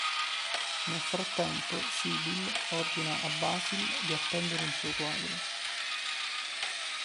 Nel frattempo, Sybil ordina a Basil di appendere un suo quadro.